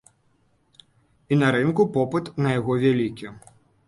І на рынку попыт на яго вялікі.